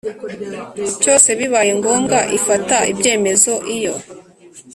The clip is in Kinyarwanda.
cyose bibaye ngombwa Ifata ibyemezo iyo